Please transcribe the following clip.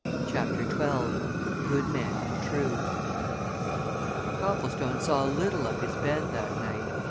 CHAPTER XII GOOD MEN AND TRUE Copplestone saw little of his bed that night.